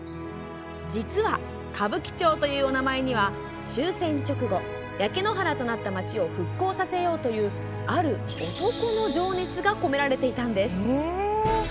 実は、歌舞伎町というお名前には終戦直後焼け野原となった街を復興させようというある男の情熱が込められていたんです。